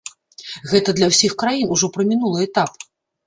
Гэта для ўсіх краін ужо прамінулы этап.